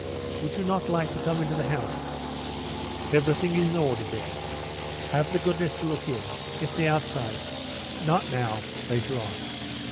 "Would you not like to come into the house? Everything is in order there. Have the goodness to look in. If the outside " "Not now; later on.